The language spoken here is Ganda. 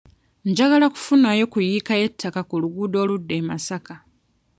Njagala kufunayo ku yiika y'ettaka ku luguudo oludda e Masaka.